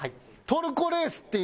トルコレースって。